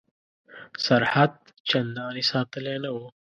سرحد چنداني ساتلی نه وو.